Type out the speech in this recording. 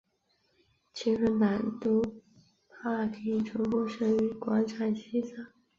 新芬党都柏林总部设于广场西侧。